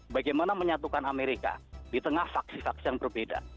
bagaimana menyatukan amerika di tengah faksi faksi yang berbeda